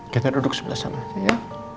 dengan duduk sebelah sana ya